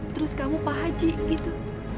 terus kamu pak haji gitu